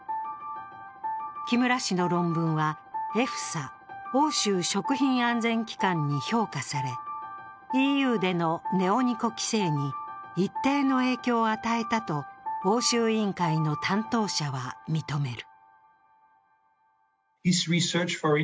木村氏の論文はＥＦＳＡ＝欧州食品安全機関に評価されＥＵでのネオニコ規制に一定の影響を与えたと欧州委員会の担当者は認める。